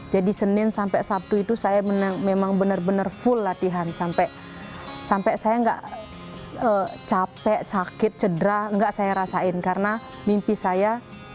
jadi senin sampai sabtu itu saya memang benar benar full latihan sampai sampai saya enggak capek sakit cedera enggak saya rasain karena mimpi saya